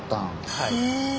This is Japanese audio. はい。